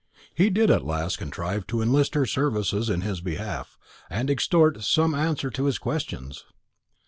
He did at last contrive to enlist her services in his behalf, and extort some answer to his questions.